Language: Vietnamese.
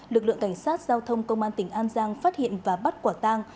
lực lượng cảnh sát giao thông công an tỉnh an giang phát hiện và bắt quả tang